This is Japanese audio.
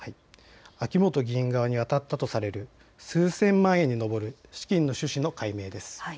秋本議員側に渡ったとされる数千万円に上る資金の趣旨の解明です。